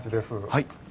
はい。